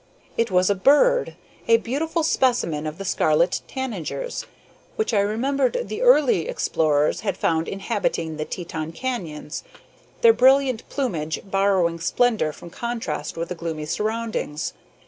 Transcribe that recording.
It was a bird, a beautiful specimen of the scarlet tanagers, which I remembered the early explorers had found inhabiting the Teton canyons, their brilliant plumage borrowing splendor from contrast with the gloomy surroundings.